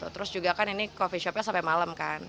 terus juga kan ini coffee shopnya sampai malam kan